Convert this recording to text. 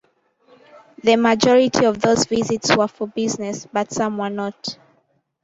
The majority of those visits were for business, but some were not.